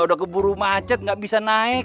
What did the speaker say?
udah keburu macet nggak bisa naik